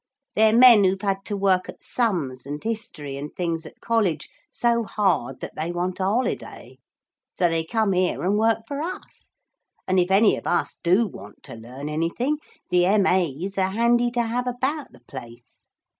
They're men who've had to work at sums and history and things at College so hard that they want a holiday. So they come here and work for us, and if any of us do want to learn anything, the M.A.'s are handy to have about the place.